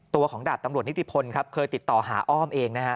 ตัวของดาบตำรวจนิติพลครับเคยติดต่อหาอ้อมเองนะฮะ